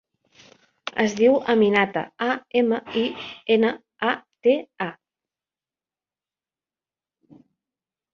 Es diu Aminata: a, ema, i, ena, a, te, a.